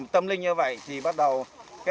tâm linh như vậy